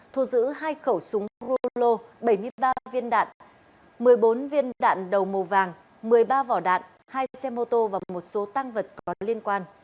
thu giữ hai khẩu súng rulo bảy mươi ba viên đạn một mươi bốn viên đạn đầu màu vàng một mươi ba vỏ đạn hai xe mô tô và một xe xe xe